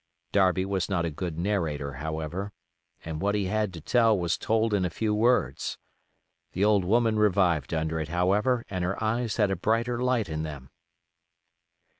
Darby was not a good narrator, however, and what he had to tell was told in a few words. The old woman revived under it, however, and her eyes had a brighter light in them.